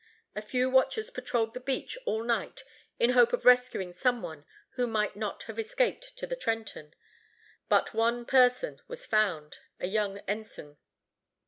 A few watchers patrolled the beach all night in hope of rescuing some one who might not have escaped to the Trenton. But one person was found a young ensign.